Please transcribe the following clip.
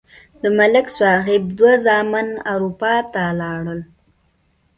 د ملک صاحب دوه زامن اروپا ته لاړل.